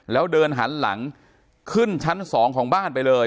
แล้วเดินหันหลังขึ้นชั้น๒ของบ้านไปเลย